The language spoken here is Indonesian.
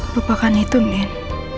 lupakan itu nin